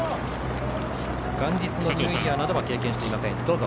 元日のニューイヤーなどは経験していません。